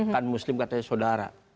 kan muslim katanya saudara